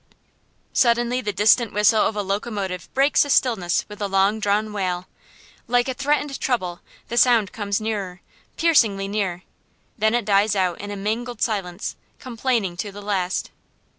Suddenly the distant whistle of a locomotive breaks the stillness with a long drawn wail. Like a threatened trouble, the sound comes nearer, piercingly near; then it dies out in a mangled silence, complaining to the last.